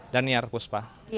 dan niar kuspa